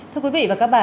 thưa quý vị và các bạn